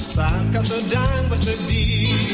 saat kau sedang bersedih